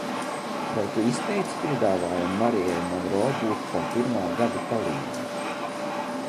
Vai tu izteici piedāvājumu Marijai Monro būt par pirmā gada palīdzi?